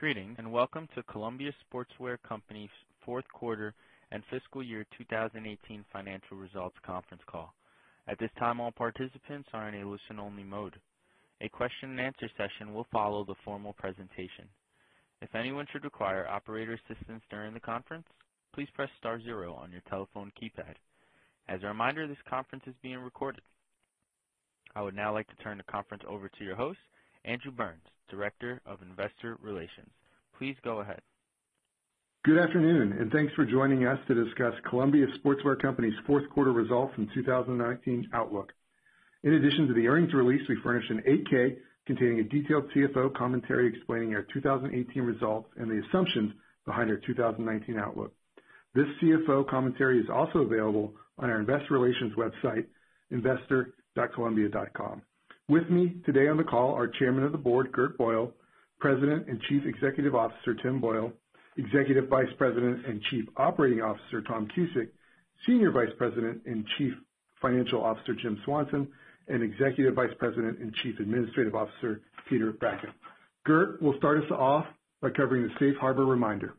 Greetings, and welcome to Columbia Sportswear Company's Q4 and Fiscal Year 2018 Financial Results Conference Call. At this time, all participants are in a listen-only mode. A question-and-answer session will follow the formal presentation. If anyone should require operator assistance during the conference, please press star zero on your telephone keypad. As a reminder, this conference is being recorded. I would now like to turn the conference over to your host, Andrew Burns, Director of Investor Relations. Please go ahead. Good afternoon, and thanks for joining us to discuss Columbia Sportswear Company's Q4 results in 2019 outlook. In addition to the earnings release, we furnished an 8-K containing a detailed CFO commentary explaining our 2018 results and the assumptions behind our 2019 outlook. This CFO commentary is also available on our investor relations website, investor.columbia.com. With me today on the call are Chairman of the Board, Gert Boyle, President and Chief Executive Officer, Tim Boyle, Executive Vice President and Chief Operating Officer, Tom Cusick, Senior Vice President and Chief Financial Officer, Jim Swanson, and Executive Vice President and Chief Administrative Officer, Peter Bragdon. Gert will start us off by covering the safe harbor reminder.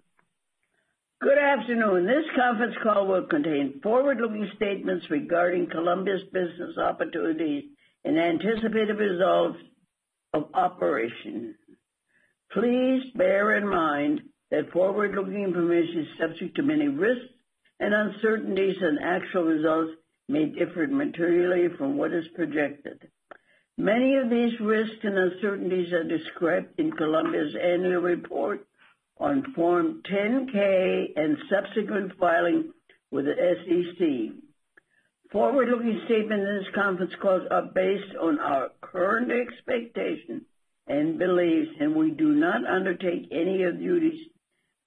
Good afternoon. This conference call will contain forward-looking statements regarding Columbia's business opportunities and anticipated results of operation. Please bear in mind that forward-looking information is subject to many risks and uncertainties, and actual results may differ materially from what is projected. Many of these risks and uncertainties are described in Columbia's annual report on Form 10-K and subsequent filings with the SEC. Forward-looking statements in this conference call are based on our current expectations and beliefs, and we do not undertake any duties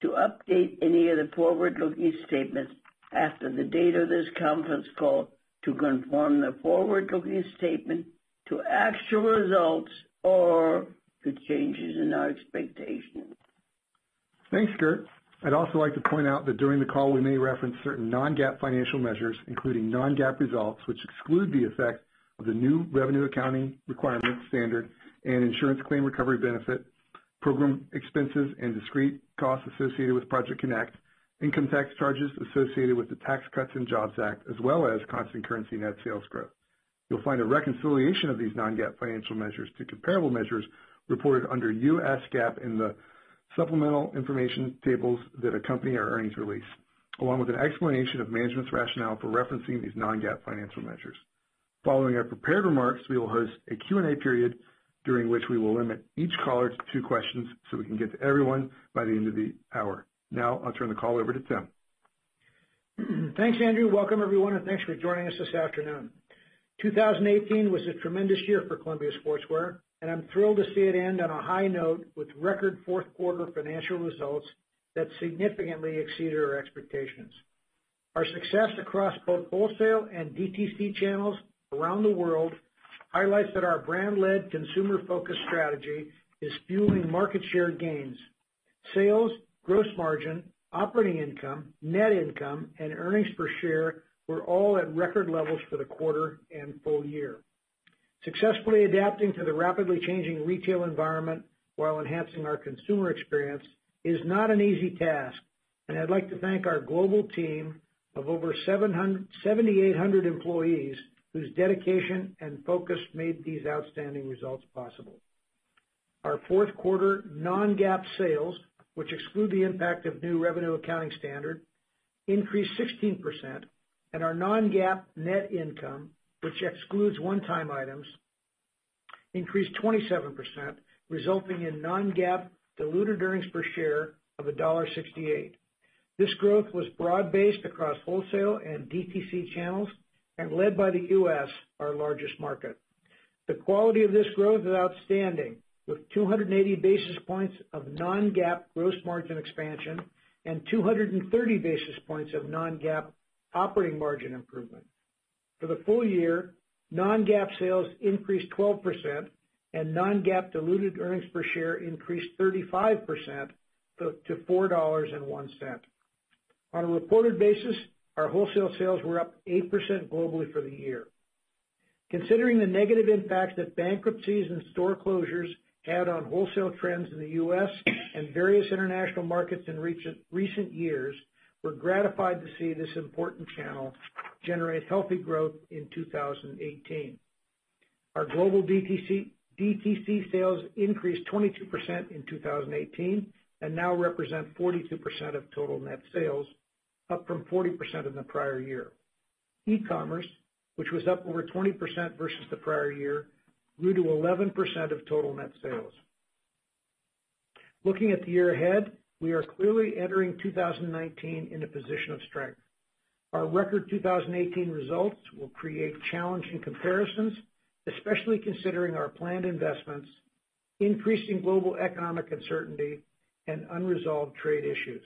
to update any of the forward-looking statements after the date of this conference call to conform the forward-looking statement to actual results or to changes in our expectations. Thanks, Gert. I'd also like to point out that during the call, we may reference certain non-GAAP financial measures, including non-GAAP results, which exclude the effect of the new revenue accounting requirements standard and insurance claim recovery benefit, program expenses, and discrete costs associated with Project CONNECT, income tax charges associated with the Tax Cuts and Jobs Act, as well as constant currency net sales growth. You'll find a reconciliation of these non-GAAP financial measures to comparable measures reported under U.S. GAAP in the supplemental information tables that accompany our earnings release, along with an explanation of management's rationale for referencing these non-GAAP financial measures. Following our prepared remarks, we will host a Q&A period during which we will limit each caller to two questions so we can get to everyone by the end of the hour. Now, I'll turn the call over to Tim. Thanks, Andrew. Welcome everyone, thanks for joining us this afternoon. 2018 was a tremendous year for Columbia Sportswear, I'm thrilled to see it end on a high note with record Q4 financial results that significantly exceeded our expectations. Our success across both wholesale and D2C channels around the world highlights that our brand-led, consumer-focused strategy is fueling market share gains. Sales, gross margin, operating income, net income, earnings per share were all at record levels for the quarter and full year. Successfully adapting to the rapidly changing retail environment while enhancing our consumer experience is not an easy task, I'd like to thank our global team of over 7,800 employees whose dedication and focus made these outstanding results possible. Our Q4 non-GAAP sales, which exclude the impact of new revenue accounting standard, increased 16%, our non-GAAP net income, which excludes one-time items, increased 27%, resulting in non-GAAP diluted earnings per share of $1.68. This growth was broad-based across wholesale and D2C channels, led by the U.S., our largest market. The quality of this growth is outstanding, with 280 basis points of non-GAAP gross margin expansion, 230 basis points of non-GAAP operating margin improvement. For the full year, non-GAAP sales increased 12%, non-GAAP diluted earnings per share increased 35% to $4.01. On a reported basis, our wholesale sales were up 8% globally for the year. Considering the negative impact that bankruptcies and store closures had on wholesale trends in the U.S. and various international markets in recent years, we're gratified to see this important channel generate healthy growth in 2018. Our global D2C sales increased 22% in 2018, now represent 42% of total net sales, up from 40% in the prior year. E-commerce, which was up over 20% versus the prior year, grew to 11% of total net sales. Looking at the year ahead, we are clearly entering 2019 in a position of strength. Our record 2018 results will create challenging comparisons, especially considering our planned investments, increasing global economic uncertainty, unresolved trade issues.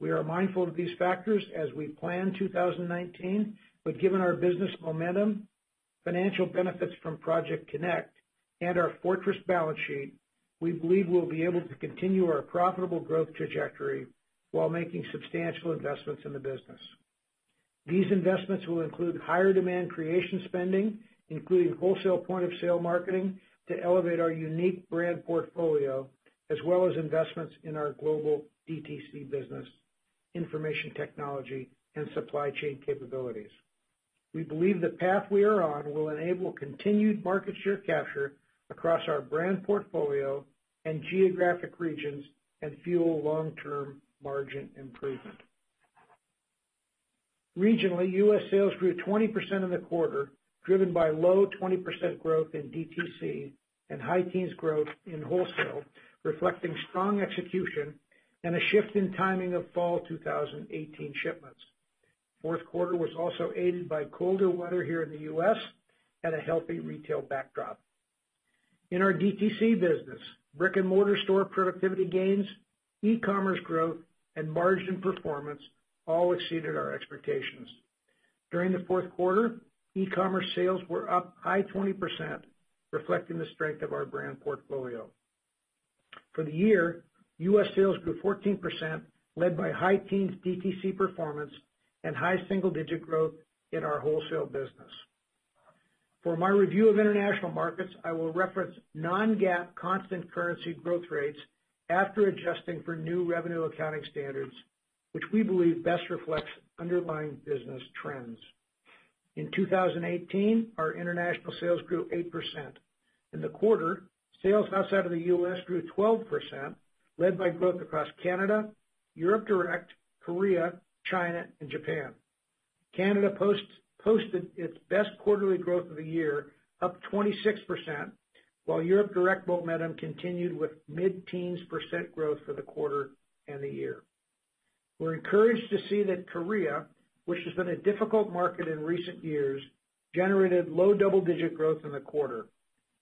We are mindful of these factors as we plan 2019, given our business momentum, financial benefits from Project CONNECT, our fortress balance sheet, we believe we'll be able to continue our profitable growth trajectory while making substantial investments in the business. These investments will include higher demand creation spending, including wholesale point-of-sale marketing to elevate our unique brand portfolio, as well as investments in our global D2C business, information technology, supply chain capabilities. We believe the path we are on will enable continued market share capture across our brand portfolio, geographic regions, fuel long-term margin improvement. Regionally, U.S. sales grew 20% in the quarter, driven by low 20% growth in D2C, high teens growth in wholesale, reflecting strong execution and a shift in timing of fall 2018 shipments. Q4 was also aided by colder weather here in the U.S. and a healthy retail backdrop. In our D2C business, brick-and-mortar store productivity gains, e-commerce growth, and margin performance all exceeded our expectations. During the Q4, e-commerce sales were up high 20%, reflecting the strength of our brand portfolio. For the year, U.S. sales grew 14%, led by high teens D2C performance and high single-digit growth in our wholesale business. For my review of international markets, I will reference non-GAAP constant currency growth rates after adjusting for new revenue accounting standards, which we believe best reflects underlying business trends. In 2018, our international sales grew 8%. In the quarter, sales outside of the U.S. grew 12%, led by growth across Canada, Europe direct, Korea, China, and Japan. Canada posted its best quarterly growth of the year, up 26%, while Europe direct momentum continued with mid-teens percent growth for the quarter and the year. We're encouraged to see that Korea, which has been a difficult market in recent years, generated low double-digit growth in the quarter,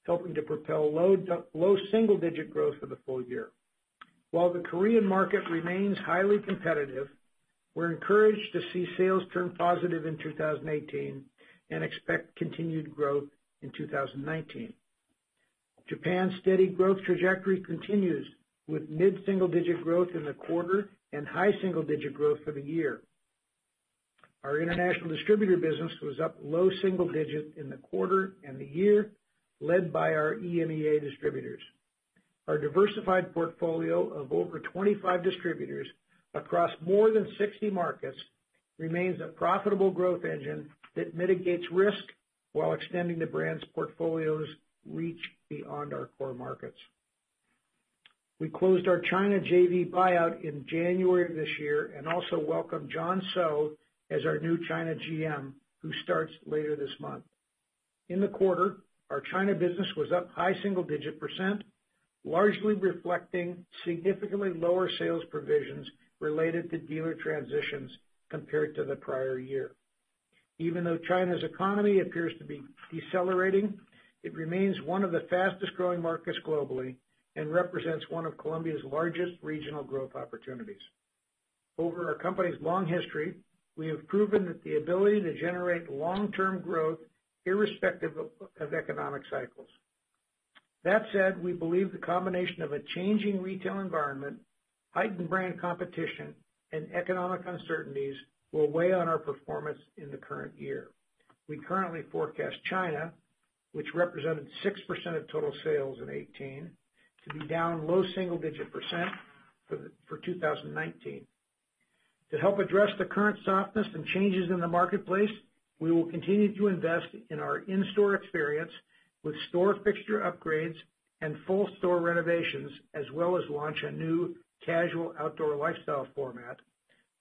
helping to propel low single-digit growth for the full year. While the Korean market remains highly competitive, we're encouraged to see sales turn positive in 2018 and expect continued growth in 2019. Japan's steady growth trajectory continues with mid-single digit growth in the quarter and high single digit growth for the year. Our international distributor business was up low single digit in the quarter and the year led by our EMEA distributors. Our diversified portfolio of over 25 distributors across more than 60 markets remains a profitable growth engine that mitigates risk while extending the brand's portfolio's reach beyond our core markets. We closed our China JV buyout in January of this year and also welcomed John Soh as our new China GM, who starts later this month. In the quarter, our China business was up high single digit percent, largely reflecting significantly lower sales provisions related to dealer transitions compared to the prior year. Even though China's economy appears to be decelerating, it remains one of the fastest-growing markets globally and represents one of Columbia's largest regional growth opportunities. Over our company's long history, we have proven that the ability to generate long-term growth irrespective of economic cycles. That said, we believe the combination of a changing retail environment, heightened brand competition, and economic uncertainties will weigh on our performance in the current year. We currently forecast China, which represented 6% of total sales in 2018, to be down low single digit percent for 2019. To help address the current softness and changes in the marketplace, we will continue to invest in our in-store experience with store fixture upgrades and full store renovations, as well as launch a new casual outdoor lifestyle format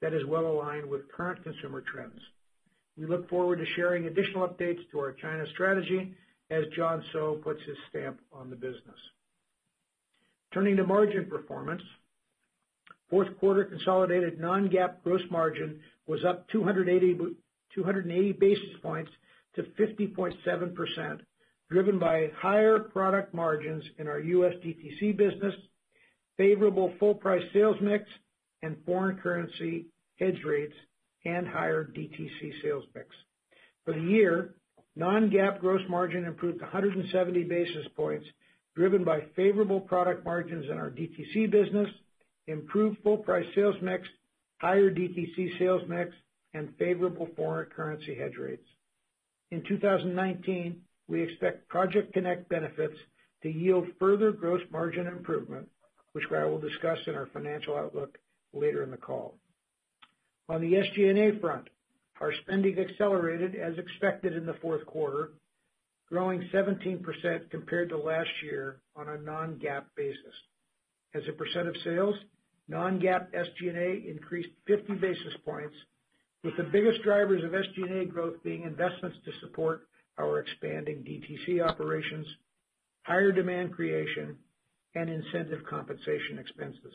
that is well aligned with current consumer trends. We look forward to sharing additional updates to our China strategy as John Soh puts his stamp on the business. Turning to margin performance. Q4 consolidated non-GAAP gross margin was up 280 basis points to 50.7%, driven by higher product margins in our U.S. D2C business, favorable full price sales mix, and foreign currency hedge rates and higher D2C sales mix. For the year, non-GAAP gross margin improved 170 basis points, driven by favorable product margins in our D2C business, improved full price sales mix, higher D2C sales mix, and favorable foreign currency hedge rates. In 2019, we expect Project CONNECT benefits to yield further gross margin improvement, which I will discuss in our financial outlook later in the call. On the SG&A front, our spending accelerated as expected in the Q4, growing 17% compared to last year on a non-GAAP basis. As a percent of sales, non-GAAP SG&A increased 50 basis points, with the biggest drivers of SG&A growth being investments to support our expanding D2C operations, higher demand creation, and incentive compensation expenses.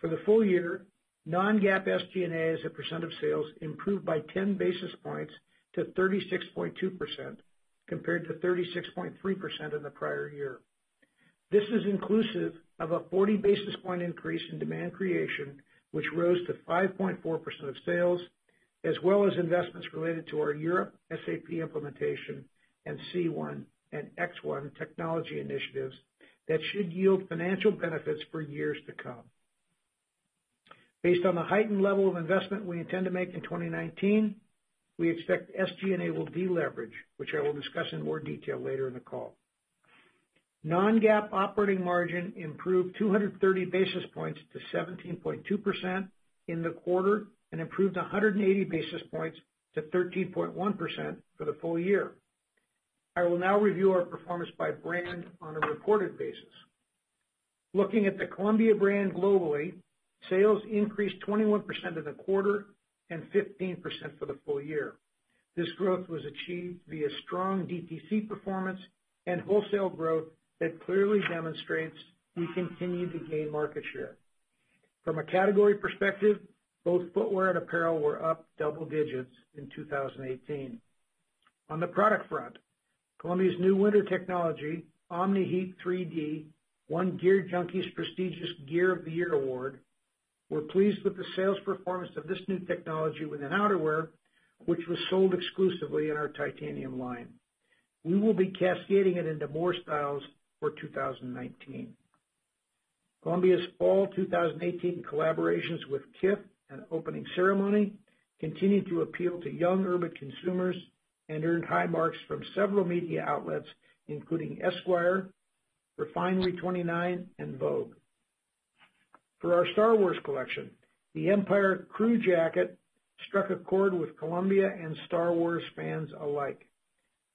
For the full year, non-GAAP SG&A as a percent of sales improved by 10 basis points to 36.2%, compared to 36.3% in the prior year. This is inclusive of a 40 basis point increase in demand creation, which rose to 5.4% of sales, as well as investments related to our Europe SAP implementation and C1 and X1 technology initiatives. That should yield financial benefits for years to come. Based on the heightened level of investment we intend to make in 2019, we expect SG&A will deleverage, which I will discuss in more detail later in the call. Non-GAAP operating margin improved 230 basis points to 17.2% in the quarter, and improved 180 basis points to 13.1% for the full year. I will now review our performance by brand on a reported basis. Looking at the Columbia brand globally, sales increased 21% in the quarter and 15% for the full year. This growth was achieved via strong D2C performance and wholesale growth that clearly demonstrates we continue to gain market share. From a category perspective, both footwear and apparel were up double digits in 2018. On the product front, Columbia's new winter technology, Omni-Heat 3D, won GearJunkie's prestigious Gear of the Year award. We're pleased with the sales performance of this new technology within outerwear, which was sold exclusively in our Titanium line. We will be cascading it into more styles for 2019. Columbia's fall 2018 collaborations with Kith and Opening Ceremony continued to appeal to young urban consumers and earned high marks from several media outlets, including Esquire, Refinery29, and Vogue. For our Star Wars collection, the Empire Crew Jacket struck a chord with Columbia and Star Wars fans alike.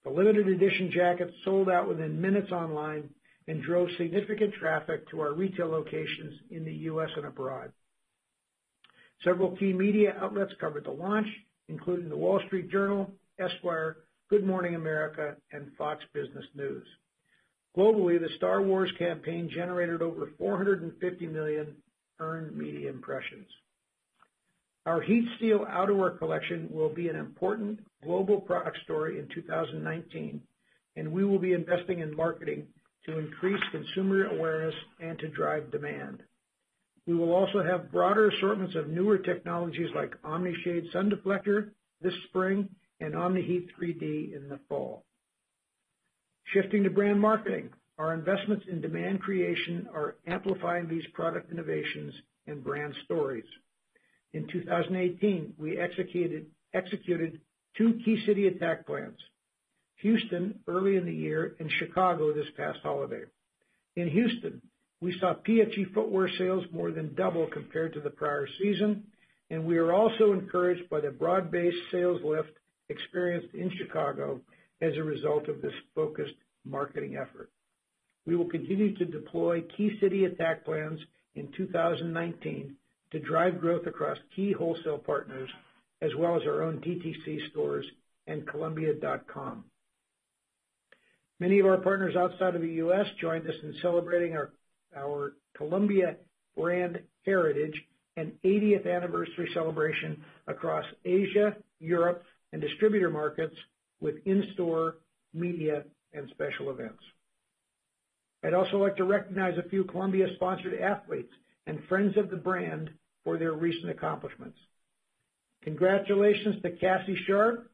The limited edition jacket sold out within minutes online and drove significant traffic to our retail locations in the U.S. and abroad. Several key media outlets covered the launch, including The Wall Street Journal, Esquire, Good Morning America, and Fox Business News. Globally, the Star Wars campaign generated over 450 million earned media impressions. Our HeatSeal outerwear collection will be an important global product story in 2019, and we will be investing in marketing to increase consumer awareness and to drive demand. We will also have broader assortments of newer technologies like Omni-Shade Sun Deflector this spring and Omni-Heat 3D in the fall. Shifting to brand marketing, our investments in demand creation are amplifying these product innovations and brand stories. In 2018, we executed two key city attack plans. Houston early in the year and Chicago this past holiday. In Houston, we saw PFG footwear sales more than double compared to the prior season, and we are also encouraged by the broad-based sales lift experienced in Chicago as a result of this focused marketing effort. We will continue to deploy key city attack plans in 2019 to drive growth across key wholesale partners, as well as our own D2C stores and columbia.com. Many of our partners outside of the U.S. joined us in celebrating our Columbia brand heritage and 80th anniversary celebration across Asia, Europe, and distributor markets with in-store media and special events. I would also like to recognize a few Columbia-sponsored athletes and friends of the brand for their recent accomplishments. Congratulations to Cassie Sharpe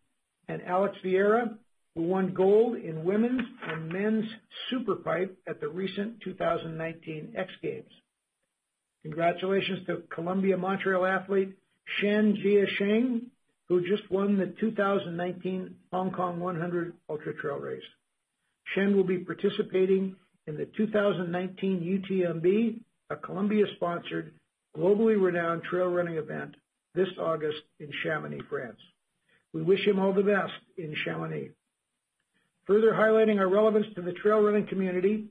and Alex Ferreira, who won gold in women's and men's super pipe at the recent 2019 X Games. Congratulations to Columbia Montrail athlete Shen Jiasheng, who just won the 2019 Hong Kong 100 Ultra Trail Race. Shen will be participating in the 2019 UTMB, a Columbia-sponsored, globally renowned trail running event this August in Chamonix, France. We wish him all the best in Chamonix. Further highlighting our relevance to the trail running community,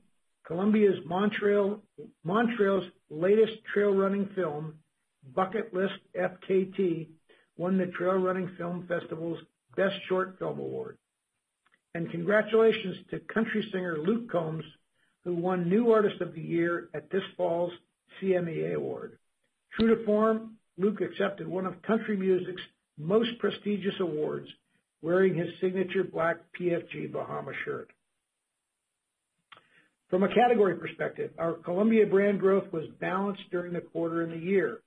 Columbia's Montrail's latest trail running film, "Bucket List FKT," won the Trail Running Film Festival's Best Short Film award. Congratulations to country singer Luke Combs, who won New Artist of the Year at this fall's CMA Awards. True to form, Luke accepted one of country music's most prestigious awards wearing his signature black PFG Bahama shirt. From a category perspective, our Columbia brand growth was balanced during the quarter and the year.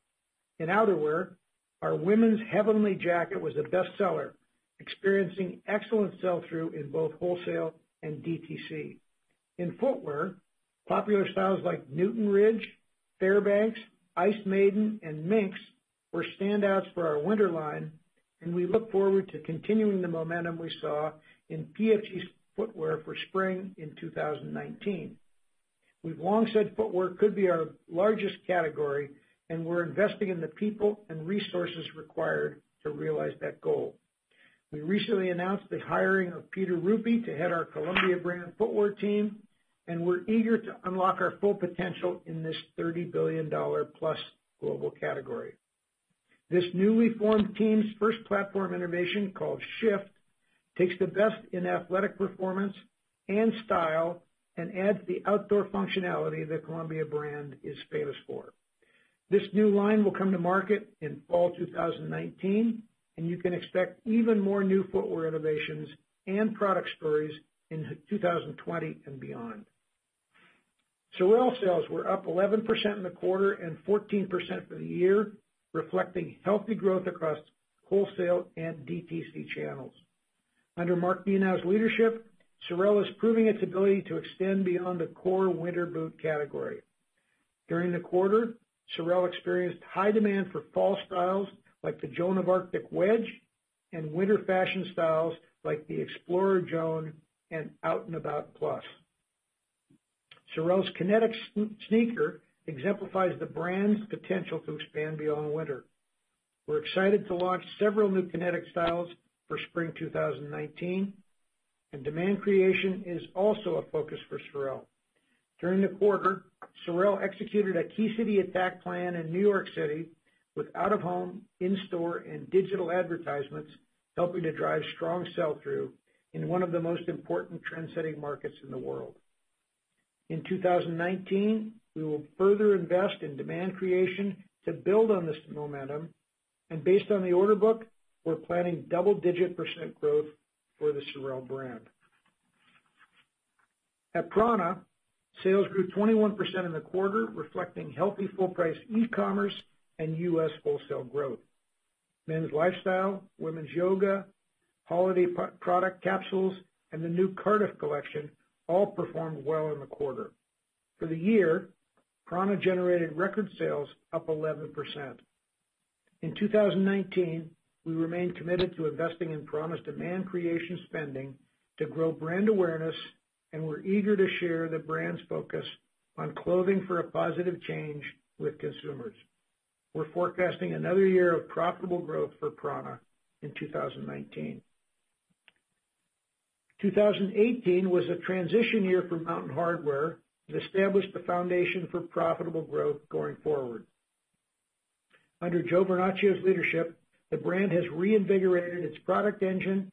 In outerwear, our women's Heavenly jacket was a best-seller, experiencing excellent sell-through in both wholesale and D2C. In footwear, popular styles like Newton Ridge, Fairbanks, Ice Maiden, and Minx were standouts for our winter line, and we look forward to continuing the momentum we saw in PFG's footwear for spring in 2019. We have long said footwear could be our largest category, and we are investing in the people and resources required to realize that goal. We recently announced the hiring of Peter Ruppe to head our Columbia brand footwear team, and we are eager to unlock our full potential in this $30 billion+ global category. This newly formed team's first platform innovation, called SH/FT, takes the best in athletic performance and style and adds the outdoor functionality the Columbia brand is famous for. This new line will come to market in fall 2019, and you can expect even more new footwear innovations and product stories in 2020 and beyond. SOREL sales were up 11% in the quarter and 14% for the year, reflecting healthy growth across wholesale and D2C channels. Under Mark Nenow's leadership, SOREL is proving its ability to extend beyond the core winter boot category. During the quarter, SOREL experienced high demand for fall styles like the Joan of Arctic Wedge and winter fashion styles like the Explorer Joan and Out 'N About Plus. SOREL's Kinetic sneaker exemplifies the brand's potential to expand beyond winter. We are excited to launch several new Kinetic styles for spring 2019, and demand creation is also a focus for SOREL. During the quarter, SOREL executed a key city attack plan in New York City with out-of-home, in-store, and digital advertisements, helping to drive strong sell-through in one of the most important trend-setting markets in the world. In 2019, we will further invest in demand creation to build on this momentum, and based on the order book, we are planning double-digit % growth for the SOREL brand. At prAna, sales grew 21% in the quarter, reflecting healthy full price e-commerce and U.S. wholesale growth. Men's lifestyle, women's yoga, holiday product capsules, and the new Cardiff collection all performed well in the quarter. For the year, prAna generated record sales up 11%. In 2019, we remain committed to investing in prAna's demand creation spending to grow brand awareness, and we're eager to share the brand's focus on clothing for a positive change with consumers. We're forecasting another year of profitable growth for prAna in 2019. 2018 was a transition year for Mountain Hardwear and established the foundation for profitable growth going forward. Under Joe Vernachio's leadership, the brand has reinvigorated its product engine,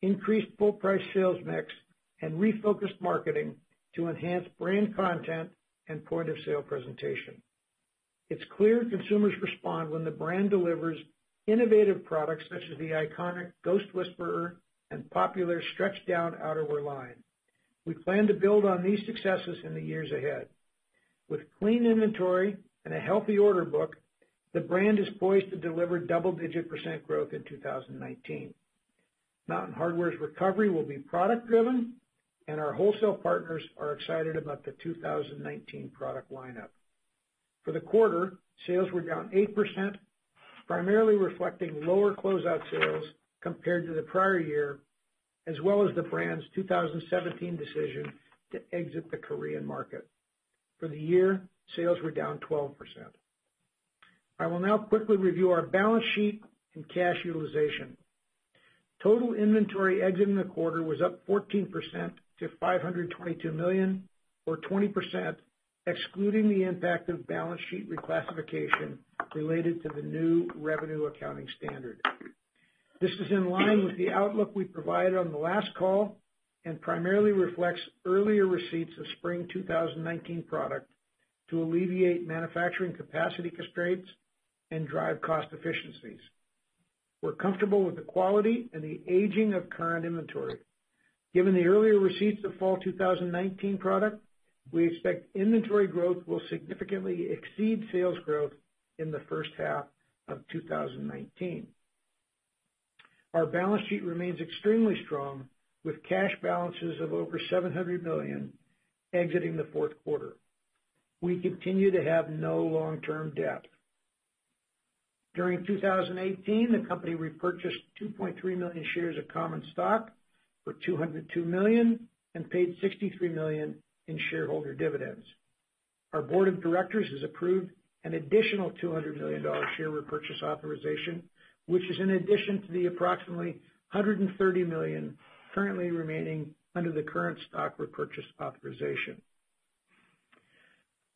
increased full price sales mix, and refocused marketing to enhance brand content and point of sale presentation. It's clear consumers respond when the brand delivers innovative products such as the iconic Ghost Whisperer and popular Stretchdown outerwear line. We plan to build on these successes in the years ahead. With clean inventory and a healthy order book, the brand is poised to deliver double-digit percent growth in 2019. Mountain Hardwear's recovery will be product driven. Our wholesale partners are excited about the 2019 product lineup. For the quarter, sales were down 8%, primarily reflecting lower closeout sales compared to the prior year, as well as the brand's 2017 decision to exit the Korean market. For the year, sales were down 12%. I will now quickly review our balance sheet and cash utilization. Total inventory exiting the quarter was up 14% to $522 million, or 20%, excluding the impact of balance sheet reclassification related to the new revenue accounting standard. This is in line with the outlook we provided on the last call. Primarily reflects earlier receipts of spring 2019 product to alleviate manufacturing capacity constraints and drive cost efficiencies. We're comfortable with the quality and the aging of current inventory. Given the earlier receipts of fall 2019 product, we expect inventory growth will significantly exceed sales growth in the first half of 2019. Our balance sheet remains extremely strong, with cash balances of over $700 million exiting the Q4. We continue to have no long-term debt. During 2018, the company repurchased 2.3 million shares of common stock for $202 million and paid $63 million in shareholder dividends. Our board of directors has approved an additional $200 million share repurchase authorization, which is in addition to the approximately 130 million currently remaining under the current stock repurchase authorization.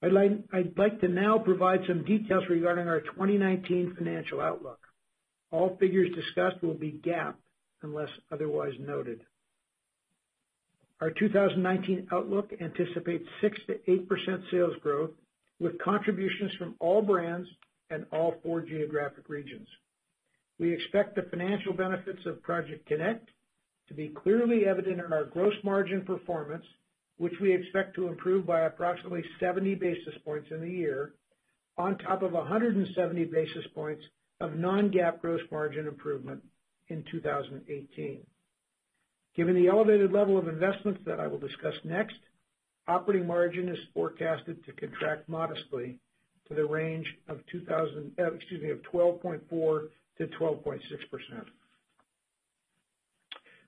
I'd like to now provide some details regarding our 2019 financial outlook. All figures discussed will be GAAP unless otherwise noted. Our 2019 outlook anticipates 6%-8% sales growth with contributions from all brands and all four geographic regions. We expect the financial benefits of Project CONNECT to be clearly evident in our gross margin performance, which we expect to improve by approximately 70 basis points in the year, on top of 170 basis points of non-GAAP gross margin improvement in 2018. Given the elevated level of investments that I will discuss next, operating margin is forecasted to contract modestly to the range of 12.4%-12.6%.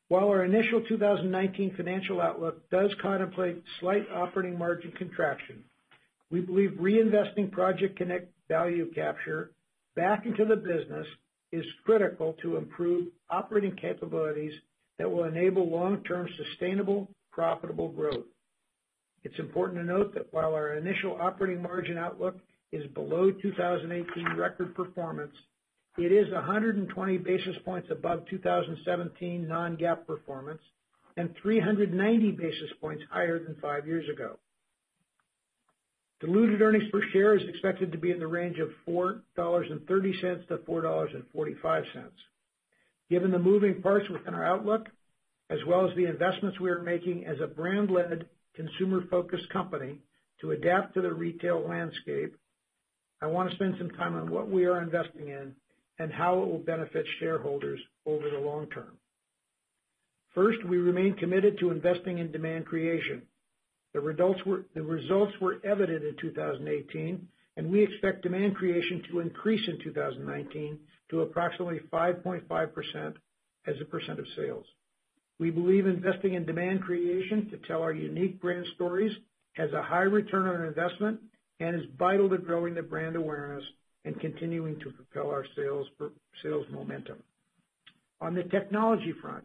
While our initial 2019 financial outlook does contemplate slight operating margin contraction, we believe reinvesting Project CONNECT value capture back into the business is critical to improve operating capabilities that will enable long-term sustainable, profitable growth. It's important to note that while our initial operating margin outlook is below 2018 record performance, it is 120 basis points above 2017 non-GAAP performance and 390 basis points higher than five years ago. Diluted earnings per share is expected to be in the range of $4.30-$4.45. Given the moving parts within our outlook, as well as the investments we are making as a brand-led, consumer-focused company to adapt to the retail landscape, I want to spend some time on what we are investing in and how it will benefit shareholders over the long term. First, we remain committed to investing in demand creation. The results were evident in 2018, and we expect demand creation to increase in 2019 to approximately 5.5% as a percent of sales. We believe investing in demand creation to tell our unique brand stories has a high return on investment and is vital to growing the brand awareness and continuing to propel our sales momentum. On the technology front,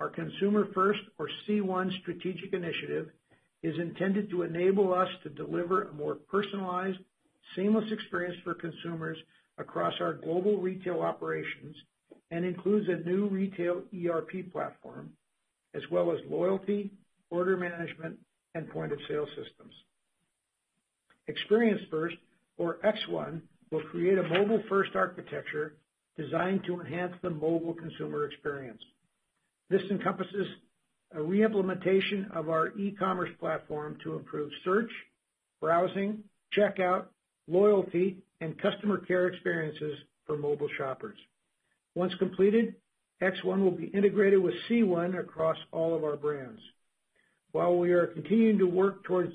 our Consumer-First, or C1 strategic initiative, is intended to enable us to deliver a more personalized, seamless experience for consumers across our global retail operations and includes a new retail ERP platform, as well as loyalty, order management, and point-of-sale systems. Experience First, or X1, will create a mobile first architecture designed to enhance the mobile consumer experience. This encompasses a re-implementation of our e-commerce platform to improve search, browsing, checkout, loyalty, and customer care experiences for mobile shoppers. Once completed, X1 will be integrated with C1 across all of our brands. While we are continuing to work towards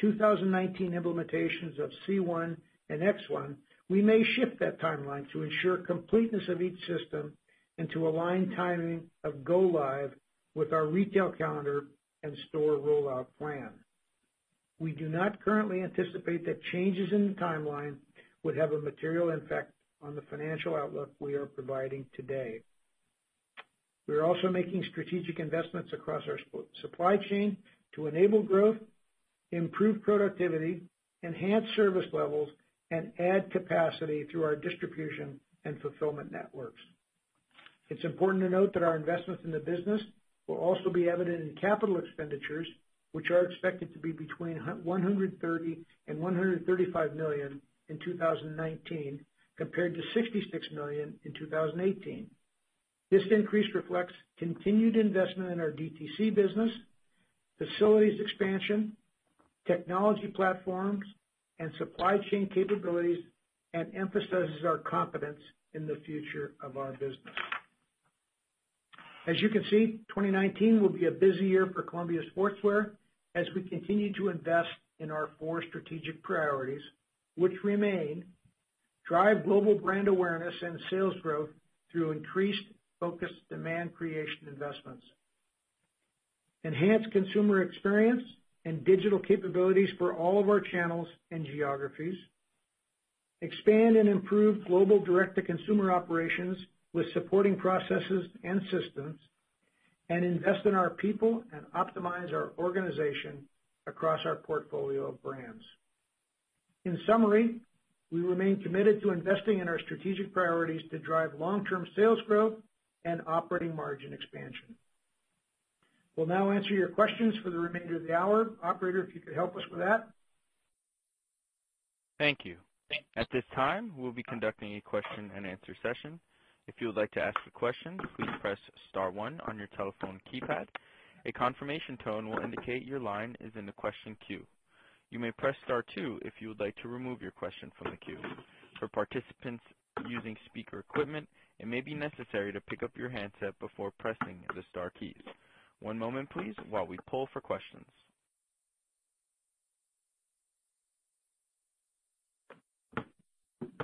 2019 implementations of C1 and X1, we may shift that timeline to ensure completeness of each system and to align timing of go live with our retail calendar and store rollout plan. We do not currently anticipate that changes in the timeline would have a material impact on the financial outlook we are providing today. We are also making strategic investments across our supply chain to enable growth, improve productivity, enhance service levels, and add capacity through our distribution and fulfillment networks. It's important to note that our investments in the business will also be evident in capital expenditures, which are expected to be between $130 million and $135 million in 2019, compared to $66 million in 2018. This increase reflects continued investment in our D2C business, facilities expansion, technology platforms, and supply chain capabilities, and emphasizes our confidence in the future of our business. As you can see, 2019 will be a busy year for Columbia Sportswear as we continue to invest in our four strategic priorities, which remain: drive global brand awareness and sales growth through increased focused demand creation investments; enhance consumer experience and digital capabilities for all of our channels and geographies; expand and improve global direct-to-consumer operations with supporting processes and systems; and invest in our people and optimize our organization across our portfolio of brands. In summary, we remain committed to investing in our strategic priorities to drive long-term sales growth and operating margin expansion. We'll now answer your questions for the remainder of the hour. Operator, if you could help us with that. Thank you. At this time, we'll be conducting a question-and-answer session. If you would like to ask a question, please press star one on your telephone keypad. A confirmation tone will indicate your line is in the question queue. You may press star two if you would like to remove your question from the queue. For participants using speaker equipment, it may be necessary to pick up your handset before pressing the star keys. One moment, please, while we poll for questions.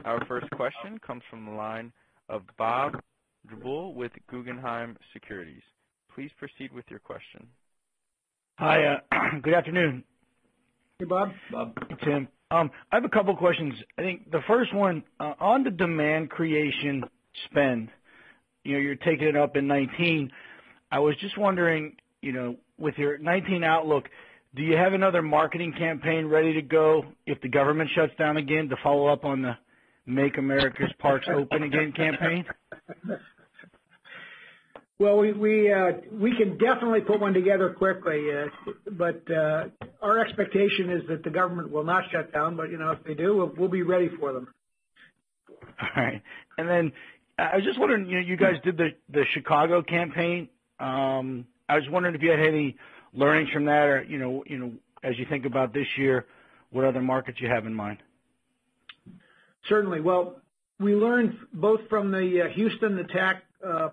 Our first question comes from the line of Bob Drbul with Guggenheim Securities. Please proceed with your question. Hi. Good afternoon. Hey, Bob. Bob, Tim. I have a couple questions. I think the first one, on the demand creation spend, you're taking it up in 2019. I was just wondering, with your 2019 outlook, do you have another marketing campaign ready to go if the government shuts down again to follow up on the Make America's Parks Open Again campaign? We can definitely put one together quickly. Our expectation is that the government will not shut down. If they do, we'll be ready for them. All right. I was just wondering, you guys did the Chicago campaign. I was wondering if you had any learnings from that or, as you think about this year, what other markets you have in mind. Certainly. We learned both from the Houston attack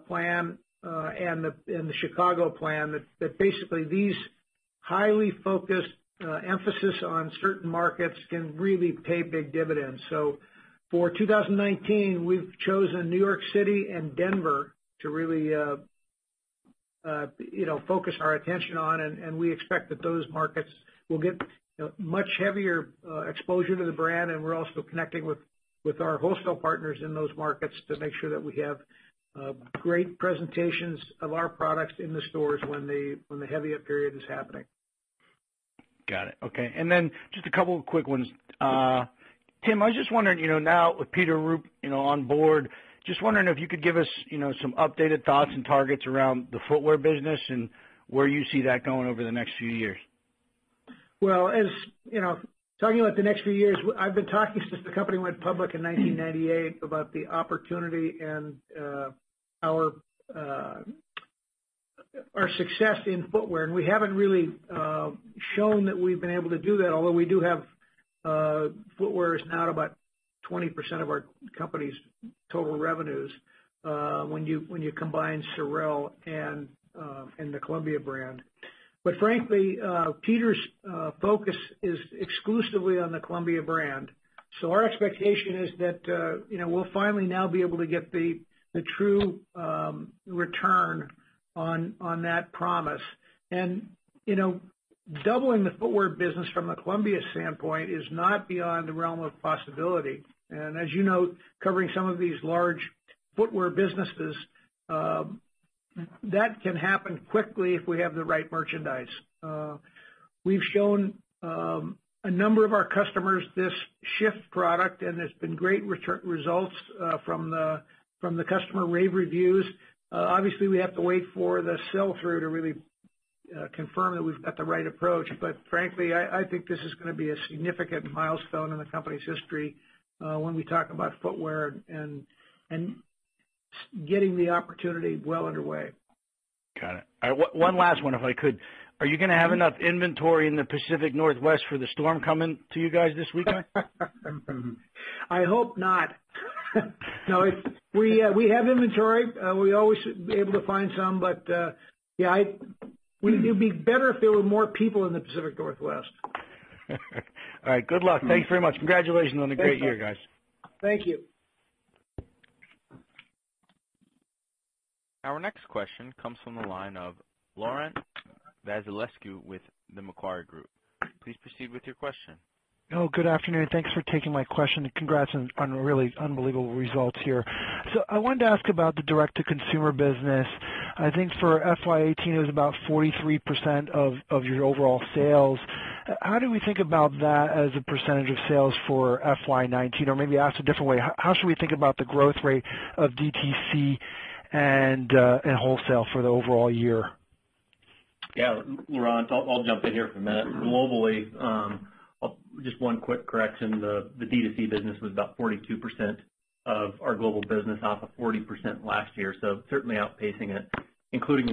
plan and the Chicago plan that basically these highly focused emphasis on certain markets can really pay big dividends. For 2019, we've chosen New York City and Denver to really focus our attention on, we expect that those markets will get much heavier exposure to the brand. We're also connecting with our wholesale partners in those markets to make sure that we have great presentations of our products in the stores when the heavier period is happening. Got it. Okay. Just a couple of quick ones. Tim, I was just wondering, now with Peter Ruppe on board, just wondering if you could give us some updated thoughts and targets around the footwear business and where you see that going over the next few years. Talking about the next few years, I've been talking since the company went public in 1998 about the opportunity and our success in footwear, and we haven't really shown that we've been able to do that, although footwear is now about 20% of our company's total revenues when you combine SOREL and the Columbia brand. Frankly, Peter's focus is exclusively on the Columbia brand. Our expectation is that we'll finally now be able to get the true return on that promise. Doubling the footwear business from a Columbia standpoint is not beyond the realm of possibility. As you know, covering some of these large footwear businesses, that can happen quickly if we have the right merchandise. We've shown a number of our customers this SH/FT product, and there's been great results from the customer rave reviews. We have to wait for the sell-through to really confirm that we've got the right approach. Frankly, I think this is going to be a significant milestone in the company's history when we talk about footwear and getting the opportunity well underway. Got it. One last one, if I could. Are you going to have enough inventory in the Pacific Northwest for the storm coming to you guys this weekend? I hope not. We have inventory. We always should be able to find some, but it'd be better if there were more people in the Pacific Northwest. All right. Good luck. Thanks very much. Congratulations on a great year, guys. Thank you. Our next question comes from the line of Laurent Vasilescu with the Macquarie Group. Please proceed with your question. Hello. Good afternoon. Thanks for taking my question, and congrats on really unbelievable results here. I wanted to ask about the direct-to-consumer business. I think for FY 2018, it was about 43% of your overall sales. How do we think about that as a percentage of sales for FY 2019? Or maybe asked a different way, how should we think about the growth rate of D2C and wholesale for the overall year? Yeah. Laurent, I'll jump in here for a minute. Globally, just one quick correction, the D2C business was about 42% of our global business off of 40% last year. Certainly outpacing it. Included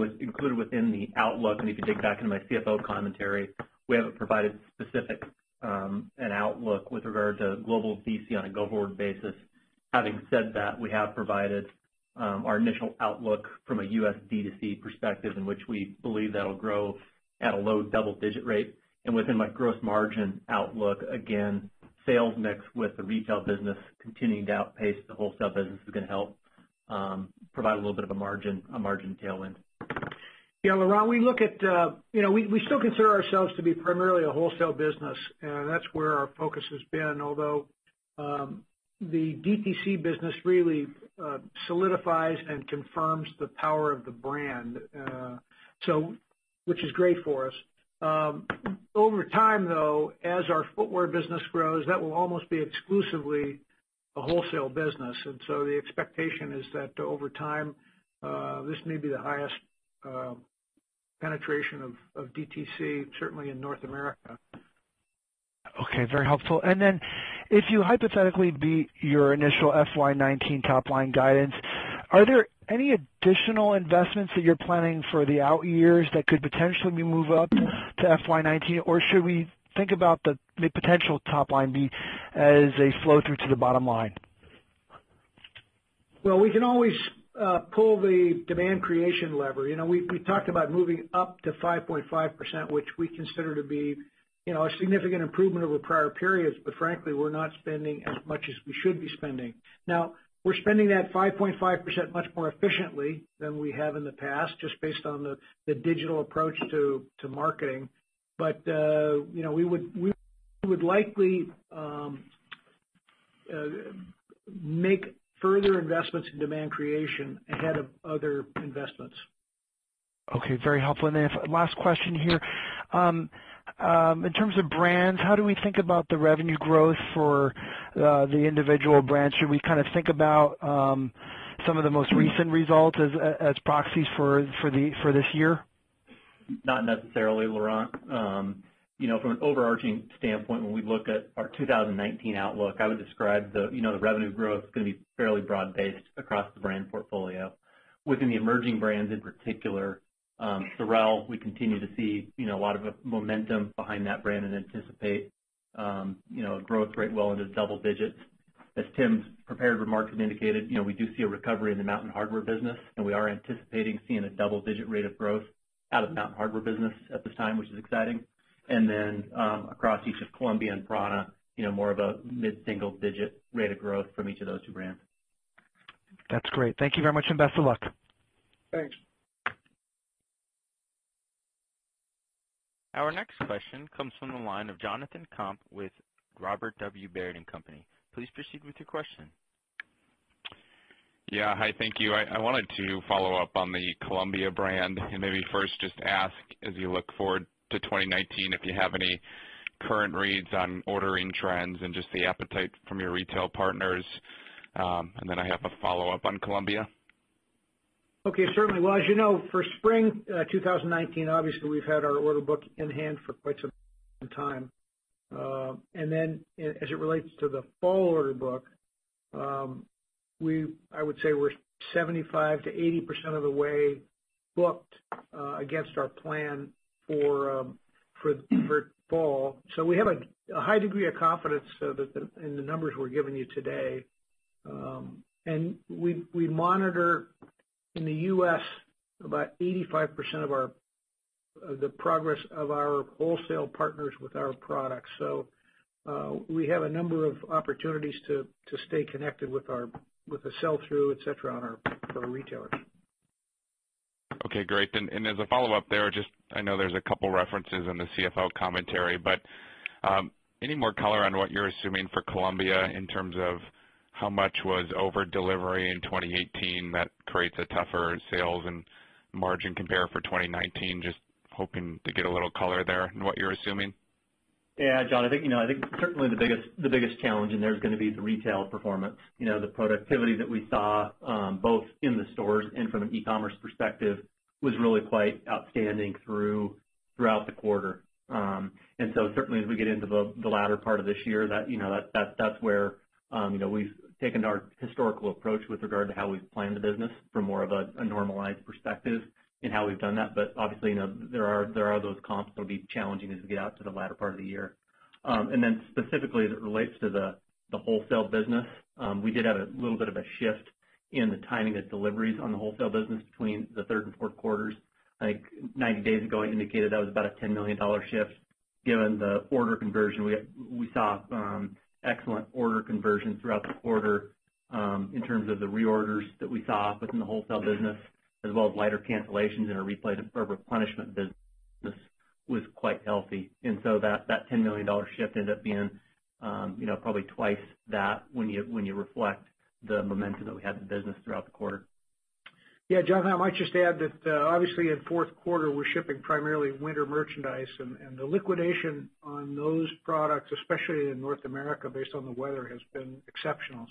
within the outlook, you can dig back into my CFO commentary, we haven't provided specific, an outlook with regard to global D2C on a go-forward basis. Having said that, we have provided our initial outlook from a U.S. D2C perspective, in which we believe that'll grow at a low double-digit rate. Within my gross margin outlook, again, sales mix with the retail business continuing to outpace the wholesale business is going to help provide a little bit of a margin tailwind. Yeah, Laurent. We still consider ourselves to be primarily a wholesale business, and that's where our focus has been, although the D2C business really solidifies and confirms the power of the brand, which is great for us. Over time, though, as our footwear business grows, that will almost be exclusively a wholesale business. The expectation is that over time, this may be the highest penetration of D2C, certainly in North America. Okay. Very helpful. If you hypothetically beat your initial FY 2019 top-line guidance, are there any additional investments that you're planning for the out years that could potentially be moved up to FY 2019? Should we think about the potential top-line beat as a flow-through to the bottom line? Well, we can always pull the demand creation lever. We talked about moving up to 5.5%, which we consider to be a significant improvement over prior periods. Frankly, we're not spending as much as we should be spending. Now, we're spending that 5.5% much more efficiently than we have in the past, just based on the digital approach to marketing. We would likely make further investments in demand creation ahead of other investments. Okay. Very helpful. Last question here. In terms of brands, how do we think about the revenue growth for the individual brands? Should we think about some of the most recent results as proxies for this year? Not necessarily, Laurent. From an overarching standpoint, when we look at our 2019 outlook, I would describe the revenue growth is going to be fairly broad-based across the brand portfolio. Within the emerging brands, in particular, SOREL, we continue to see a lot of momentum behind that brand and anticipate a growth rate well into double digits. As Tim's prepared remarks have indicated, we do see a recovery in the Mountain Hardwear business, and we are anticipating seeing a double-digit rate of growth out of the Mountain Hardwear business at this time, which is exciting. Across each of Columbia and prAna, more of a mid-single digit rate of growth from each of those two brands. That's great. Thank you very much, and best of luck. Thanks. Our next question comes from the line of Jonathan Komp with Robert W. Baird & Co. Please proceed with your question. Hi, thank you. I wanted to follow up on the Columbia brand, and maybe first just ask, as you look forward to 2019, if you have any current reads on ordering trends and just the appetite from your retail partners. I have a follow-up on Columbia. Okay. Certainly. Well, as you know, for spring 2019, obviously, we've had our order book in hand for quite some time. As it relates to the fall order book, I would say we're 75%-80% of the way booked against our plan for fall. We have a high degree of confidence in the numbers we're giving you today. We monitor, in the U.S., about 85% of the progress of our wholesale partners with our products. We have a number of opportunities to stay connected with the sell-through, et cetera, on our retailers. Okay, great. As a follow-up there, I know there's a couple references in the CFO commentary, but any more color on what you're assuming for Columbia in terms of how much was over-delivery in 2018 that creates a tougher sales and margin compare for 2019? Just hoping to get a little color there in what you're assuming. Yeah, Jon. I think certainly the biggest challenge in there is going to be the retail performance. The productivity that we saw, both in the stores and from an e-commerce perspective, was really quite outstanding throughout the quarter. Certainly as we get into the latter part of this year, that's where we've taken our historical approach with regard to how we've planned the business from more of a normalized perspective in how we've done that. Obviously, there are those comps that'll be challenging as we get out to the latter part of the year. Specifically, as it relates to the wholesale business, we did have a little bit of a shift in the timing of deliveries on the wholesale business between the Q3 and Q4s. I think 90 days ago, I indicated that was about a $10 million shift. Given the order conversion, we saw excellent order conversion throughout the quarter, in terms of the reorders that we saw within the wholesale business, as well as lighter cancellations and a replay of replenishment business was quite healthy. That $10 million shift ended up being probably twice that when you reflect the momentum that we had in the business throughout the quarter. Yeah. Jon, I might just add that obviously in the Q4, we're shipping primarily winter merchandise. The liquidation on those products, especially in North America, based on the weather, has been exceptional.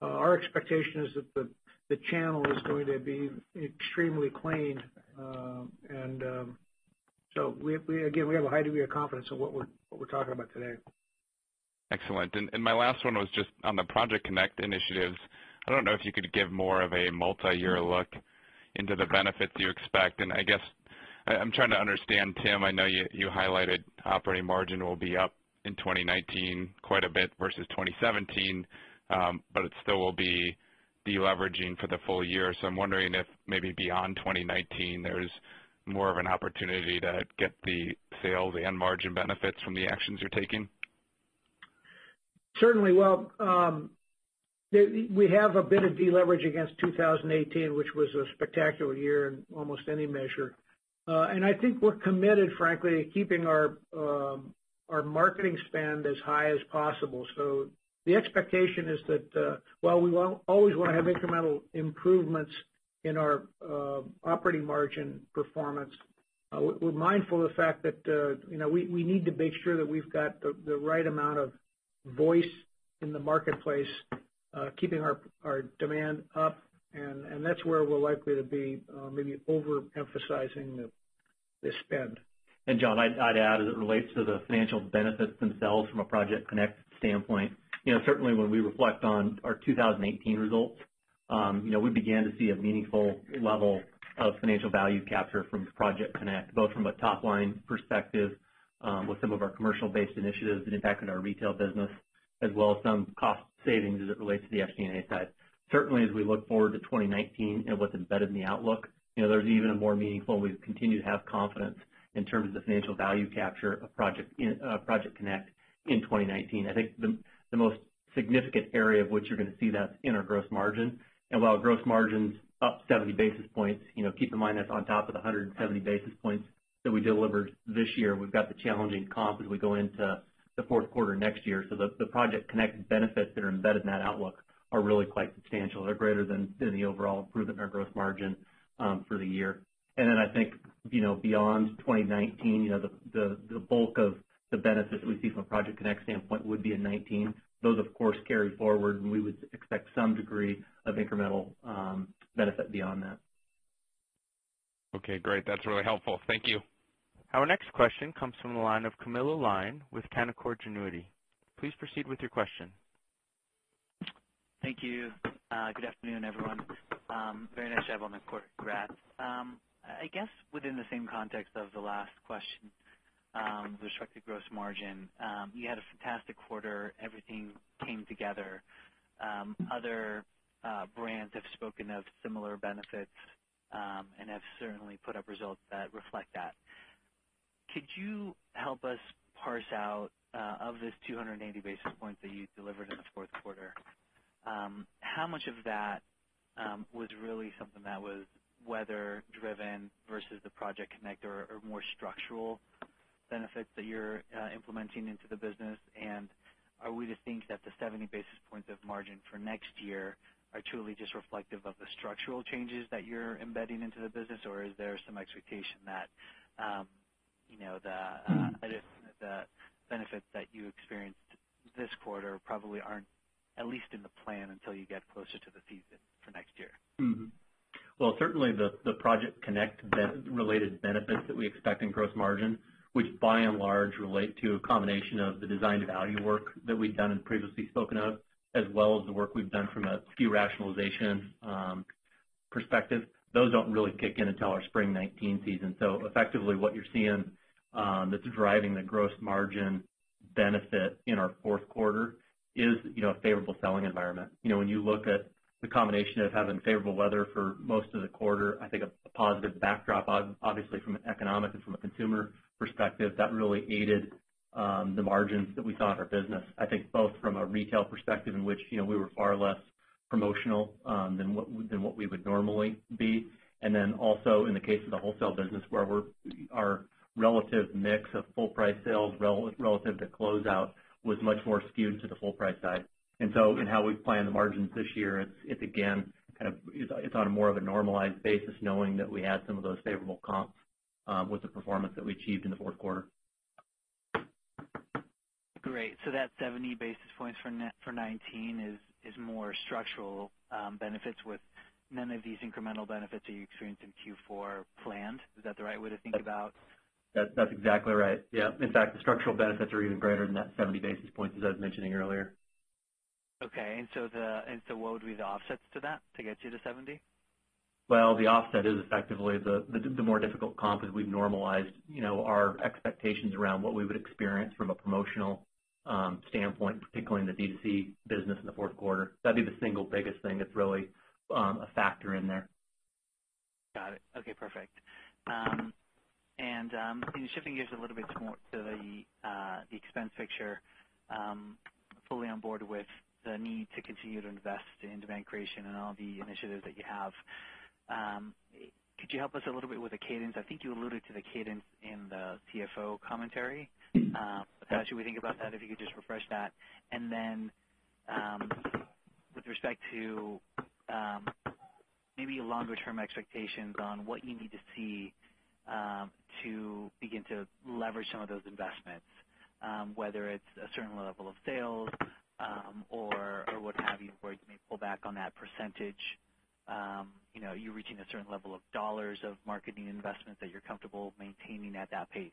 Our expectation is that the channel is going to be extremely clean. Again, we have a high degree of confidence in what we're talking about today. Excellent. My last one was just on the Project CONNECT initiatives. I don't know if you could give more of a multi-year look into the benefits you expect. I guess I'm trying to understand, Tim, I know you highlighted operating margin will be up in 2019 quite a bit versus 2017. It still will be de-leveraging for the full year. I'm wondering if maybe beyond 2019, there's more of an opportunity to get the sales and margin benefits from the actions you're taking. Certainly. Well, we have a bit of de-leverage against 2018, which was a spectacular year in almost any measure. I think we're committed, frankly, to keeping our marketing spend as high as possible. The expectation is that, while we always want to have incremental improvements in our operating margin performance, we're mindful of the fact that we need to make sure that we've got the right amount of voice in the marketplace, keeping our demand up, and that's where we're likely to be maybe over-emphasizing the spend. Jon, I'd add, as it relates to the financial benefits themselves from a Project CONNECT standpoint. Certainly, when we reflect on our 2018 results, we began to see a meaningful level of financial value capture from Project CONNECT, both from a top-line perspective with some of our commercial-based initiatives that impacted our retail business, as well as some cost savings as it relates to the SG&A side. Certainly, as we look forward to 2019 and what's embedded in the outlook, we continue to have confidence in terms of the financial value capture of Project CONNECT in 2019. I think the most significant area of which you're going to see that is in our gross margin. While gross margin's up 70 basis points, keep in mind that's on top of the 170 basis points that we delivered this year. We've got the challenging comp as we go into the Q4 next year. The Project CONNECT benefits that are embedded in that outlook are really quite substantial. They're greater than the overall improvement in our growth margin for the year. I think, beyond 2019, the bulk of the benefits that we see from a Project CONNECT standpoint would be in 2019. Those, of course, carry forward, and we would expect some degree of incremental benefit beyond that. Okay, great. That's really helpful. Thank you. Our next question comes from the line of Camilo Lyon with Canaccord Genuity. Please proceed with your question. Thank you. Good afternoon, everyone. Very nice to have on the quarter. Congrats. I guess within the same context of the last question, with respect to gross margin, you had a fantastic quarter. Everything came together. Other brands have spoken of similar benefits, and have certainly put up results that reflect that. Could you help us parse out, of this 280 basis points that you delivered in the Q4, how much of that was really something that was weather driven versus the Project CONNECT or more structural benefits that you're implementing into the business? Are we to think that the 70 basis points of margin for next year are truly just reflective of the structural changes that you're embedding into the business, or is there some expectation that the addition of the benefits that you experienced this quarter probably aren't at least in the plan until you get closer to the season for next year? Well, certainly the Project CONNECT related benefits that we expect in gross margin, which by and large relate to a combination of the design to value work that we've done and previously spoken of, as well as the work we've done from a SKU rationalization perspective. Those don't really kick in until our spring 2019 season. Effectively, what you're seeing, that's driving the gross margin benefit in our Q4 is a favorable selling environment. When you look at the combination of having favorable weather for most of the quarter, I think a positive backdrop, obviously, from an economic and from a consumer perspective, that really aided the margins that we saw in our business. I think both from a retail perspective, in which we were far less promotional than what we would normally be. Also in the case of the wholesale business, where our relative mix of full price sales relative to closeout was much more skewed to the full price side. In how we plan the margins this year, it's on a more of a normalized basis, knowing that we had some of those favorable comps with the performance that we achieved in the Q4. Great. That 70 basis points for 2019 is more structural, benefits with none of these incremental benefits that you experienced in Q4 planned. Is that the right way to think about? That's exactly right. Yeah. In fact, the structural benefits are even greater than that 70 basis points, as I was mentioning earlier. Okay. What would be the offsets to that to get you to 70 basis points? Well, the offset is effectively the more difficult comp is we've normalized our expectations around what we would experience from a promotional standpoint, particularly in the B2C business in the Q4. That'd be the single biggest thing that's really a factor in there. Got it. Okay, perfect. Shifting gears a little bit to the expense picture, fully on board with the need to continue to invest in demand creation and all the initiatives that you have. Could you help us a little bit with the cadence? I think you alluded to the cadence in the CFO commentary. How should we think about that, if you could just refresh that. With respect to maybe longer term expectations on what you need to see, to begin to leverage some of those investments, whether it's a certain level of sales, or what have you, where you may pull back on that percentage. Are you reaching a certain level of dollars of marketing investments that you're comfortable maintaining at that pace?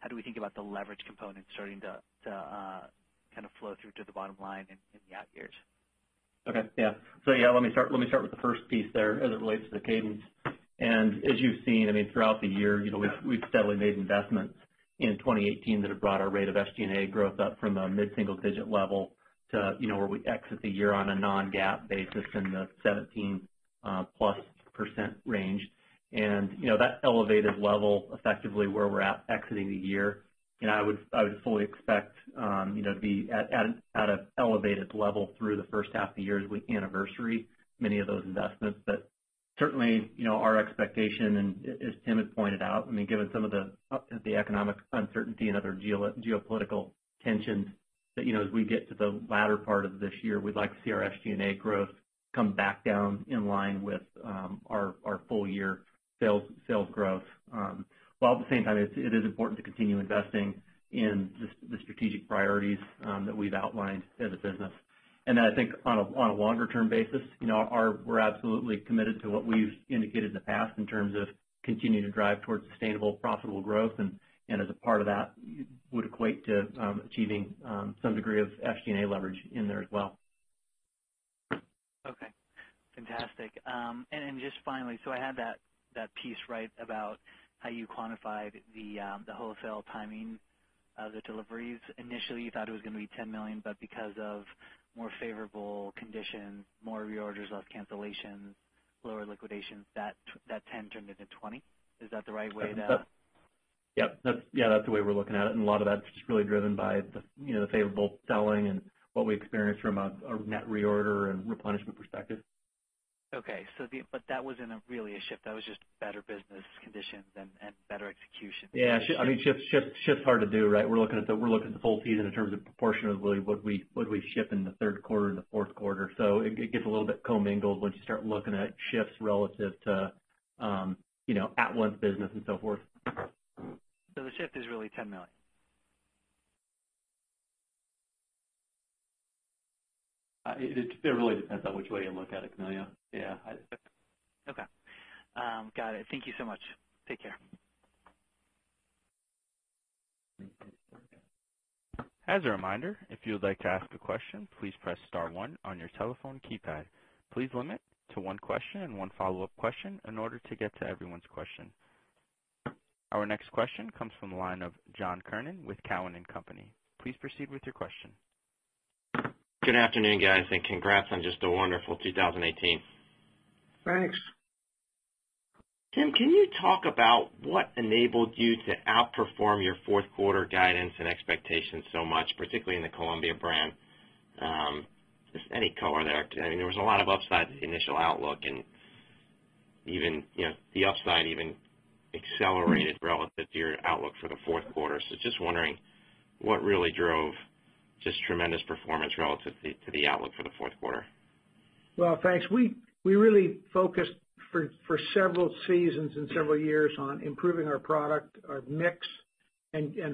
How do we think about the leverage component starting to kind of flow through to the bottom line in the out years? Okay. Yeah. Let me start with the first piece there as it relates to the cadence. As you've seen, I mean, throughout the year, we've steadily made investments in 2018 that have brought our rate of SG&A growth up from a mid-single digit level to where we exit the year on a non-GAAP basis in the 17+% range. That elevated level effectively where we're at exiting the year, and I would fully expect to be at an elevated level through the first half of the year as we anniversary many of those investments. Certainly, our expectation and as Tim has pointed out, I mean, given some of the economic uncertainty and other geopolitical tensions that, as we get to the latter part of this year, we'd like to see our SG&A growth come back down in line with our full year sales growth. While at the same time, it is important to continue investing in the strategic priorities that we've outlined as a business. I think on a longer term basis, we're absolutely committed to what we've indicated in the past in terms of continuing to drive towards sustainable, profitable growth and as a part of that would equate to achieving some degree of SG&A leverage in there as well. Okay. Fantastic. Just finally, I had that piece right about how you quantified the wholesale timing of the deliveries. Initially, you thought it was going to be $10 million, because of more favorable conditions, more reorders, less cancellations, lower liquidations, that $10 million turned into $20 million. Is that the right way to- Yep. Yeah, that's the way we're looking at it. A lot of that's just really driven by the favorable selling and what we experienced from a net reorder and replenishment perspective. Okay. That wasn't really a shift. That was just better business conditions and better execution. Yeah. I mean, shift's hard to do, right? We're looking at the full season in terms of proportionally what we ship in the Q3 and the Q4. It gets a little bit co-mingled once you start looking at shifts relative to at once business and so forth. The shift is really $10 million. It really depends on which way you look at it, Camilo. Yeah. Okay. Got it. Thank you so much. Take care. As a reminder, if you would like to ask a question, please press star one on your telephone keypad. Please limit to one question and one follow-up question in order to get to everyone's question. Our next question comes from the line of John Kernan with Cowen and Company. Please proceed with your question. Good afternoon, guys, and congrats on just a wonderful 2018. Thanks. Tim, can you talk about what enabled you to outperform your Q4 guidance and expectations so much, particularly in the Columbia brand? Just any color there. I mean, there was a lot of upside to the initial outlook and even the upside even accelerated relative to your outlook for the Q4. Just wondering what really drove just tremendous performance relative to the outlook for the Q4. Well, thanks. We really focused for several seasons and several years on improving our product, our mix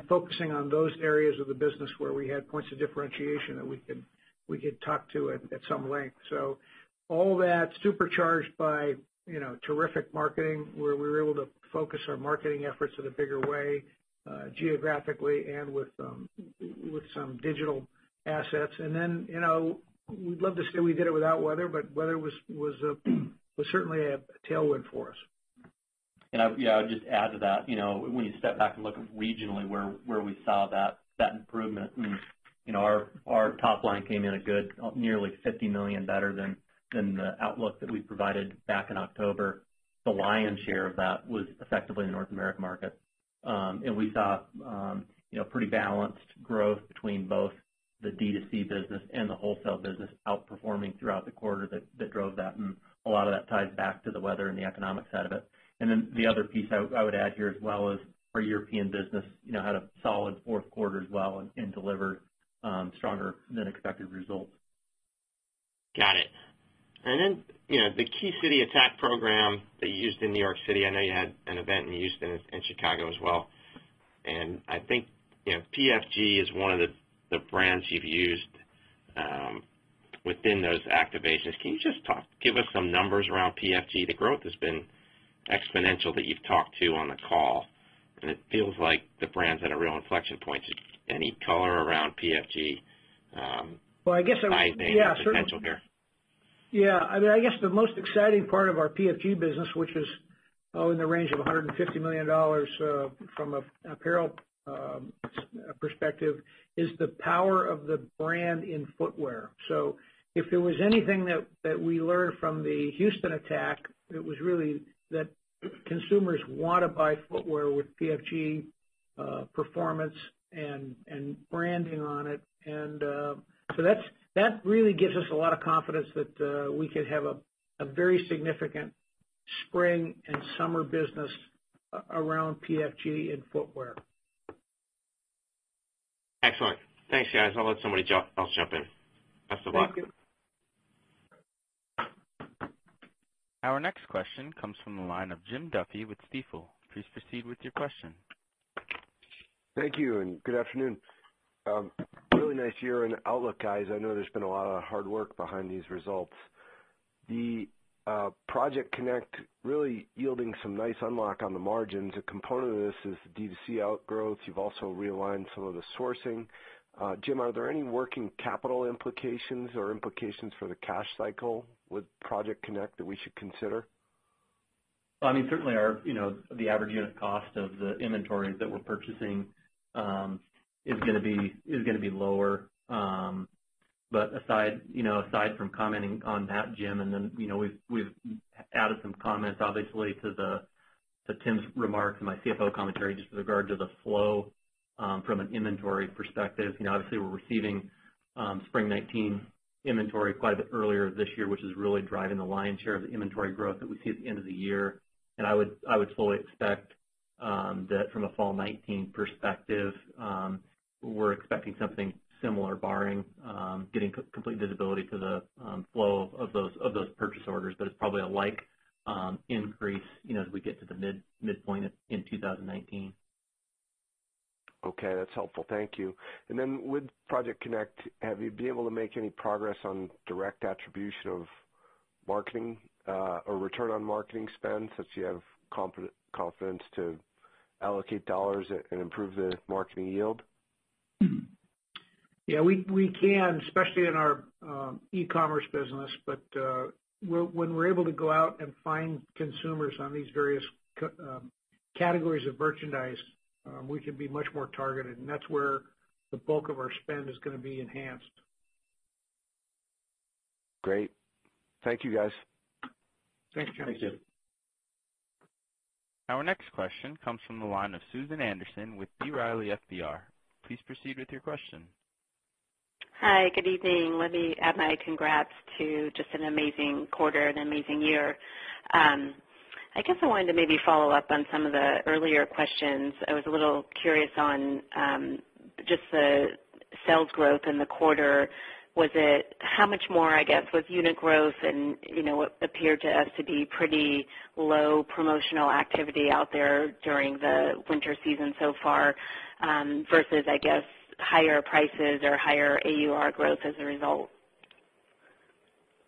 Focusing on those areas of the business where we had points of differentiation that we could talk to at some length. All that supercharged by terrific marketing, where we were able to focus our marketing efforts in a bigger way, geographically and with some digital assets. Then, we'd love to say we did it without weather was certainly a tailwind for us. Yeah, I'd just add to that. When you step back and look regionally where we saw that improvement and our top line came in a good nearly $50 million better than the outlook that we provided back in October. The lion's share of that was effectively the North America market. We saw pretty balanced growth between both the D2C business and the wholesale business outperforming throughout the quarter that drove that. A lot of that ties back to the weather and the economics out of it. The other piece I would add here as well is our European business had a solid Q4 as well and delivered stronger than expected results. Got it. The Key City attack program that you used in New York City, I know you had an event in Houston and Chicago as well, and I think PFG is one of the brands you've used within those activations. Can you just give us some numbers around PFG? The growth has been exponential that you've talked to on the call, and it feels like the brand's at a real inflection point. Any color around PFG- Well, I guess- -potential here. I guess the most exciting part of our PFG business, which is in the range of $150 million from an apparel perspective, is the power of the brand in footwear. If there was anything that we learned from the Houston attack, it was really that consumers want to buy footwear with PFG performance and branding on it. That really gives us a lot of confidence that we could have a very significant spring and summer business around PFG and footwear. Excellent. Thanks, guys. I'll let somebody else jump in. Best of luck. Thank you. Our next question comes from the line of Jim Duffy with Stifel. Please proceed with your question. Thank you, and good afternoon. Really nice year and outlook, guys. I know there's been a lot of hard work behind these results. Project CONNECT really yielding some nice unlock on the margins. A component of this is the D2C outgrowth. You've also realigned some of the sourcing. Jim, are there any working capital implications or implications for the cash cycle with Project CONNECT that we should consider? Certainly, the average unit cost of the inventories that we're purchasing is going to be lower. Aside from commenting on that, Jim, then we've added some comments, obviously, to Tim's remarks and my CFO commentary just with regard to the flow from an inventory perspective. Obviously, we're receiving spring 2019 inventory quite a bit earlier this year, which is really driving the lion's share of the inventory growth that we see at the end of the year. I would fully expect that from a fall 2019 perspective, we're expecting something similar barring getting complete visibility to the flow of those purchase orders. It's probably a like increase, as we get to the midpoint in 2019. Okay, that's helpful. Thank you. With Project CONNECT, have you been able to make any progress on direct attribution of marketing or return on marketing spend since you have confidence to allocate dollars and improve the marketing yield? Yeah, we can, especially in our e-commerce business. When we're able to go out and find consumers on these various categories of merchandise, we can be much more targeted, that's where the bulk of our spend is going to be enhanced. Great. Thank you, guys. Thanks, Jim. Thank you. Our next question comes from the line of Susan Anderson with B. Riley FBR. Please proceed with your question. Hi, good evening. Let me add my congrats to just an amazing quarter and an amazing year. I guess I wanted to maybe follow up on some of the earlier questions. I was a little curious on just the sales growth in the quarter. How much more, I guess, was unit growth and what appeared to us to be pretty low promotional activity out there during the winter season so far, versus, I guess, higher prices or higher AUR growth as a result?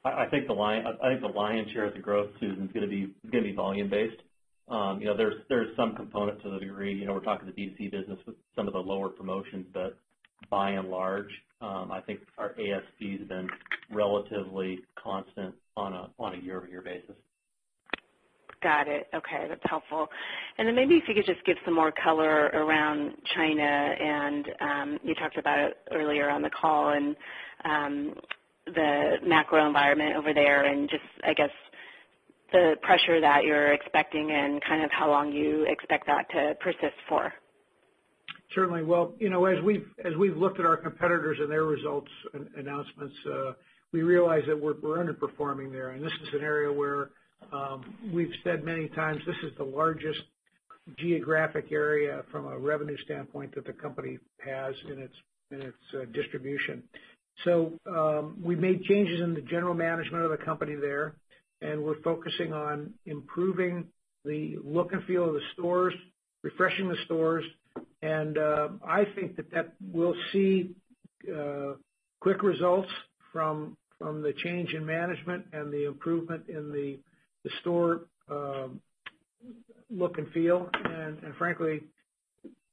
I think the lion's share of the growth, Susan, is going to be volume-based. There's some component to the degree. We're talking the D2C business with some of the lower promotions. By and large, I think our ASP has been relatively constant on a year-over-year basis. Got it. Okay. That's helpful. Then maybe if you could just give some more color around China and you talked about it earlier on the call and the macro environment over there and just, I guess, the pressure that you're expecting and kind of how long you expect that to persist for. Certainly. Well, as we've looked at our competitors and their results and announcements, we realize that we're underperforming there. This is an area where we've said many times, this is the largest geographic area from a revenue standpoint that the company has in its distribution. We made changes in the general management of the company there, and we're focusing on improving the look and feel of the stores, refreshing the stores, and I think that we'll see quick results from the change in management and the improvement in the store look and feel. Frankly,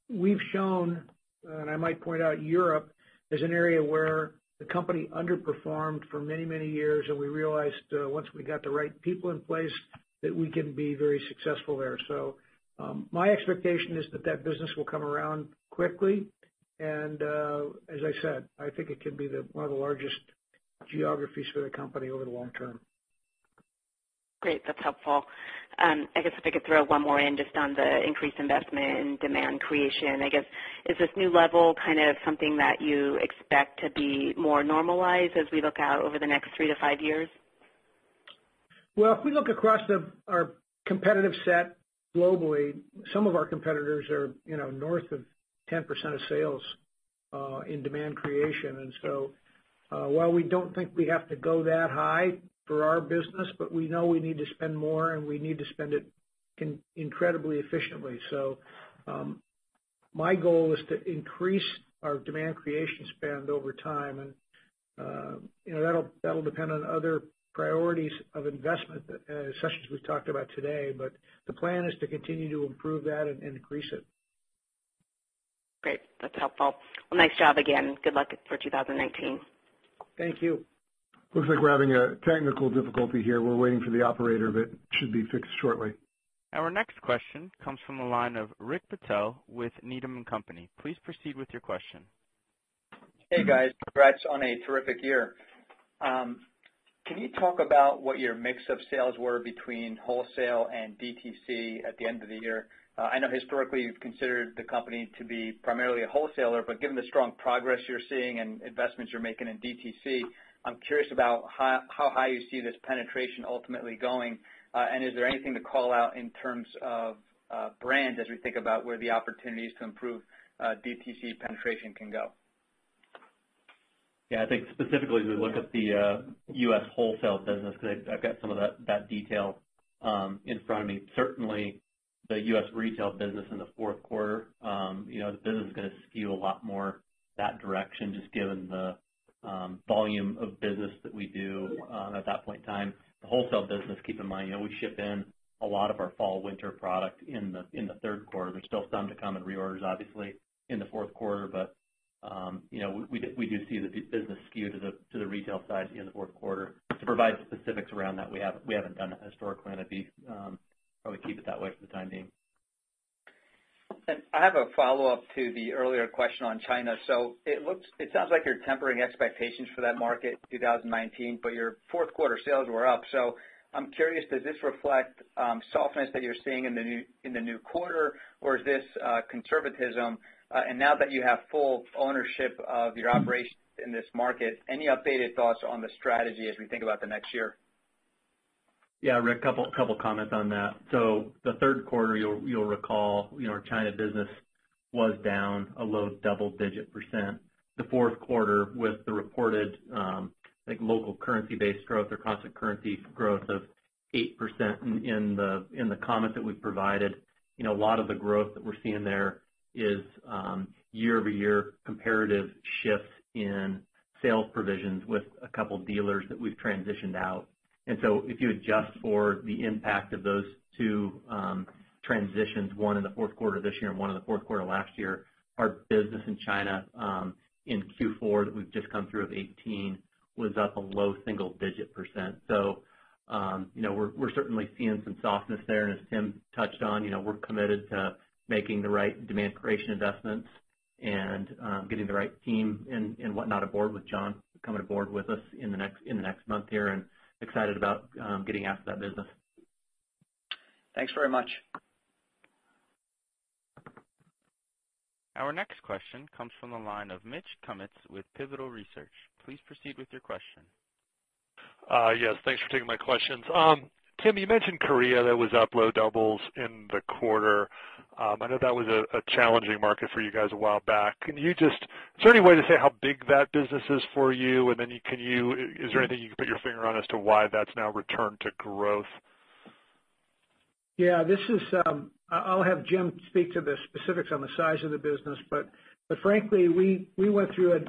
we've shown, and I might point out, Europe as an area where the company underperformed for many, many years, and we realized once we got the right people in place, that we can be very successful there. My expectation is that that business will come around quickly. As I said, I think it can be one of the largest geographies for the company over the long term. Great. That's helpful. I guess if I could throw one more in just on the increased investment in demand creation, I guess, is this new level kind of something that you expect to be more normalized as we look out over the next three to five years? If we look across our competitive set globally, some of our competitors are north of 10% of sales, in demand creation. While we don't think we have to go that high for our business, but we know we need to spend more, and we need to spend it incredibly efficiently. My goal is to increase our demand creation spend over time. That'll depend on other priorities of investment, such as we've talked about today. The plan is to continue to improve that and increase it. Great. That's helpful. Well, nice job again. Good luck for 2019. Thank you. Looks like we're having a technical difficulty here. We're waiting for the operator, but should be fixed shortly. Our next question comes from the line of Rick Patel with Needham & Company. Please proceed with your question. Hey, guys. Congrats on a terrific year. Can you talk about what your mix of sales were between wholesale and D2C at the end of the year? I know historically you've considered the company to be primarily a wholesaler, but given the strong progress you're seeing and investments you're making in D2C, I'm curious about how high you see this penetration ultimately going. Is there anything to call out in terms of brands as we think about where the opportunities to improve D2C penetration can go? Yeah, I think specifically as we look at the U.S. wholesale business, because I've got some of that detail in front of me. Certainly, the U.S. retail business in the Q4. The business is gonna skew a lot more that direction just given the volume of business that we do at that point in time. The wholesale business, keep in mind, we ship in a lot of our fall/winter product in the Q3. There's still some to come, and reorders obviously in the Q4. We do see the business skew to the retail side in the Q4. To provide specifics around that, we haven't done that historically, and that'd be probably keep it that way for the time being. I have a follow-up to the earlier question on China. It sounds like you're tempering expectations for that market in 2019, but your Q4 sales were up. I'm curious, does this reflect softness that you're seeing in the new quarter, or is this conservatism? Now that you have full ownership of your operations in this market, any updated thoughts on the strategy as we think about the next year? Rick, couple comments on that. The Q3 you'll recall our China business was down a low double-digit percent. The Q4 with the reported local currency-based growth or constant currency growth of 8% in the comment that we provided. A lot of the growth that we're seeing there is year-over-year comparative shifts in sales provisions with a couple of dealers that we've transitioned out. If you adjust for the impact of those two transitions, one in the Q4 this year and one in the Q4 last year, our business in China, in Q4 that we've just come through of 2018, was up a low single-digit percent. We're certainly seeing some softness there. As Tim touched on, we're committed to making the right demand creation investments and getting the right team and whatnot aboard with John coming aboard with us in the next month here and excited about getting after that business. Thanks very much. Our next question comes from the line of Mitch Kummetz with Pivotal Research. Please proceed with your question. Yes, thanks for taking my questions. Tim, you mentioned Korea that was up low doubles in the quarter. I know that was a challenging market for you guys a while back. Is there any way to say how big that business is for you, and then is there anything you can put your finger on as to why that's now returned to growth? Yeah. I'll have Jim speak to the specifics on the size of the business. Frankly, we went through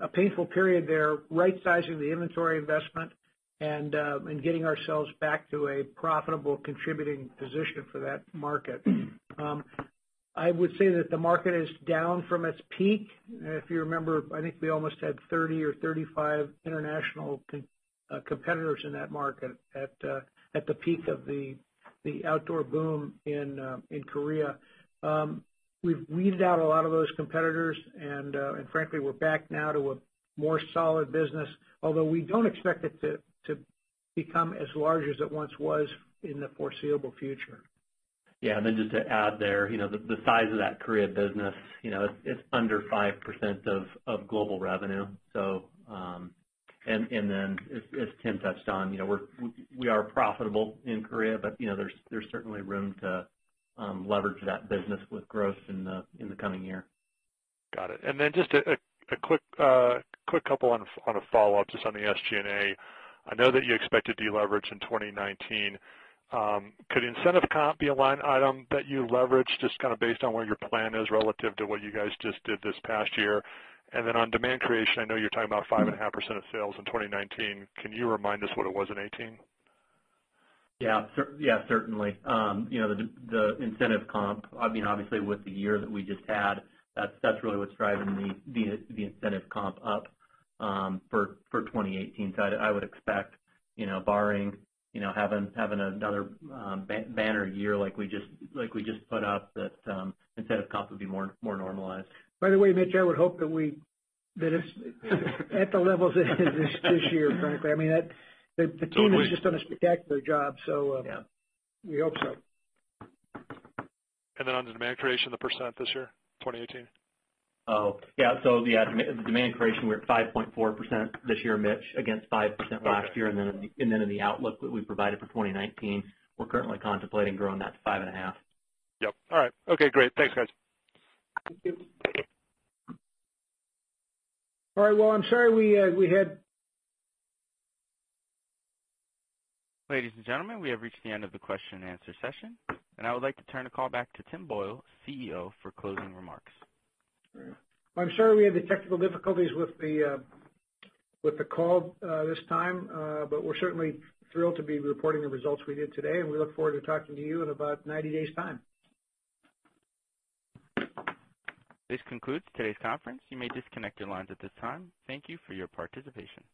a painful period there rightsizing the inventory investment and getting ourselves back to a profitable, contributing position for that market. I would say that the market is down from its peak. If you remember, I think we almost had 30 or 35 international competitors in that market at the peak of the outdoor boom in Korea. We've weeded out a lot of those competitors. Frankly, we're back now to a more solid business, although we don't expect it to become as large as it once was in the foreseeable future. Yeah. Just to add there, the size of that Korea business, it's under 5% of global revenue. As Tim touched on, we are profitable in Korea, there's certainly room to leverage that business with growth in the coming year. Got it. Just a quick couple on a follow-up just on the SG&A. I know that you expect to deleverage in 2019. Could incentive comp be a line item that you leverage just kind of based on where your plan is relative to what you guys just did this past year? On demand creation, I know you're talking about 5.5% of sales in 2019. Can you remind us what it was in 2018? Yeah, certainly. The incentive comp, obviously with the year that we just had, that's really what's driving the incentive comp up for 2018. I would expect, barring having another banner year like we just put up, that incentive comp would be more normalized. By the way, Mitch, I would hope that it's at the levels it is this year, frankly. I mean, the team has just done a spectacular job. Yeah We hope so. On the demand creation, the percent this year, 2018? The demand creation, we're at 5.4% this year, Mitch, against 5% last year. In the outlook that we provided for 2019, we're currently contemplating growing that to 5.5%. Yep. All right. Okay, great. Thanks, guys. Thank you. All right, well, I'm sorry we had- Ladies and gentlemen, we have reached the end of the question and answer session. I would like to turn the call back to Tim Boyle, CEO, for closing remarks. I'm sorry we had the technical difficulties with the call this time. We're certainly thrilled to be reporting the results we did today. We look forward to talking to you in about 90 days time. This concludes today's conference. You may disconnect your lines at this time. Thank you for your participation.